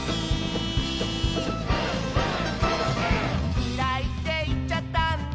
「きらいっていっちゃったんだ」